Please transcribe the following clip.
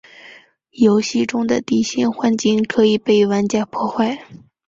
游戏中的地形环境可以被玩家破坏。